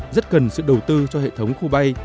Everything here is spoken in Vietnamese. rất cần sự đầu tư cho hệ thống khu bay